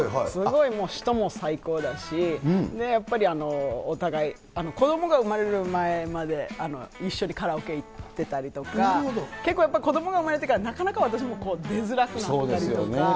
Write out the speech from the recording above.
すごいもう、人も最高だし、やっぱりお互い、子どもが産まれる前まで一緒にカラオケ行ってたりとか、結構やっぱ、子どもが生まれてからなかなか私も出づらくなったりとか。